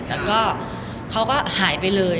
แต่ก็เขาก็หายไปเลย